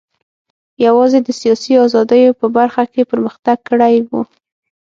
یوازې د سیاسي ازادیو په برخه کې پرمختګ کړی و.